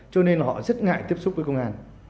cho nên là họ rất ngại tiếp xúc với công an